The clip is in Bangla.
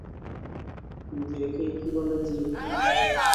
কিন্তু একেই কি বলে জিত?